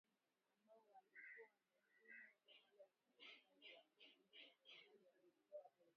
ambao walikuwa wametumwa Somalia kufanya kazi na wanajeshi wa Somalia na